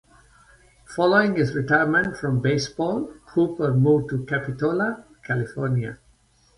Following his retirement from baseball, Hooper moved to Capitola, California.